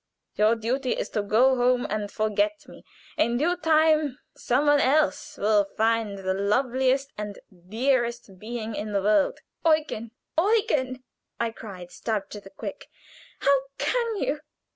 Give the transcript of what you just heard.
"Your duty is to go home and forget me. In due time some one else will find the loveliest and dearest being in the world " "Eugen! Eugen!" I cried, stabbed to the quick. "How can you?